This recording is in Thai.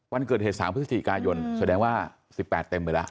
วันเกิดเหตุ๓พฤศจิกายนแสดงว่า๑๘เต็มไปแล้ว